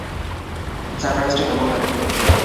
সারপ্রাইজটা কেমন লাগল?